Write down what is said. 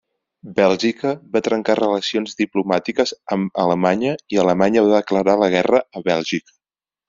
Bèlgica va trencar relacions diplomàtiques amb Alemanya i Alemanya va declarar la guerra a Bèlgica.